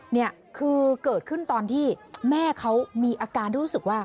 นี่คือเกิดขึ้นตอนที่แม่เขามีอาการที่รู้สึกว่า